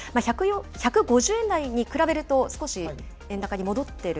１５０円台に比べると、少し円高に戻ってる？